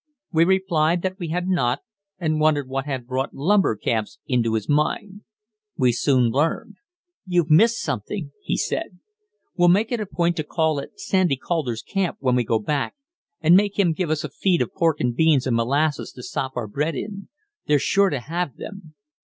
We replied that we had not, and wondered what had brought lumber camps into his mind. We soon learned. "You've missed something," he said. "We'll make it a point to call at Sandy Calder's camp when we go back, and make him give us a feed of pork and beans and molasses to sop our bread in. They're sure to have them."